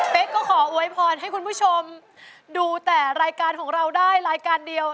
เป็นก็ขออวยพรให้คุณผู้ชมดูแต่รายการของเราได้รายการเดียว